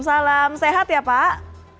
waalaikumsalam sehat ya pak